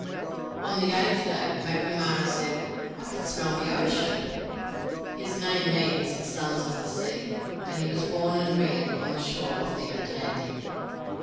On the eighth day Macnamara said, "I can smell the ocean." His name means "sons of the sea," and he was born and reared on the shore of the Atlantic.